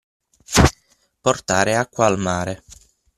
Portare acqua al mare.